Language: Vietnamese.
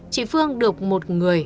chị phương được một người